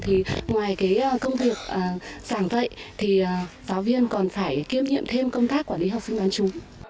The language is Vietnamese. hẳn vậy thì giáo viên còn phải kiếm nhiệm thêm công tác quản lý học sinh bán chú